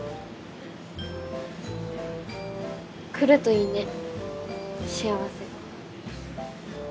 来るといいね幸せ。